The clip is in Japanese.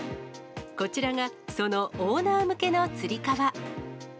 こちらがそのオーナー向けのつり革。